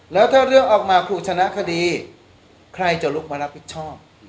แล้วถ้าเรื่องออกมาคุณชนะคดีใครจะลุกมารับผิดชอบ